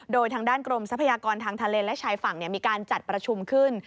โดยทางด้านกรมทรัพยากรทางทะเลและชายฝั่งมีการจัดประชุมขึ้น